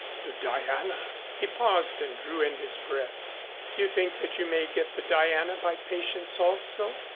The Diana " He paused and drew in his breath. "You think that you may get the Diana by patience also?"